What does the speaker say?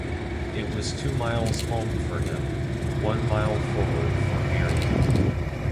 It was two miles home for him, one mile forward for Miriam.